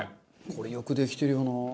これよくできてるよな。